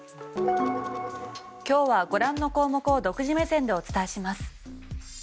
今日はご覧の項目を独自目線でお伝えします。